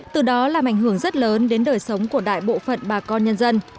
từ đó làm ảnh hưởng rất lớn đến đời sống của đại bộ phận bà con nhân dân